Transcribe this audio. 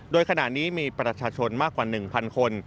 โดยขณะนี้มีประชาชนมากกว่า๑๐๐คน